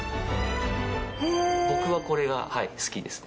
僕はこれが好きですね。